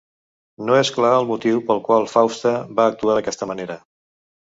No és clar el motiu pel qual Fausta va actuar d'aquesta manera.